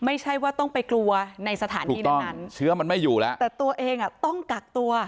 ไม่ใช่ว่าต้องไปกลัวในสถานที่นั้นเชื้อมันไม่อยู่แล้วแต่ตัวเองอ่ะต้องกักตัว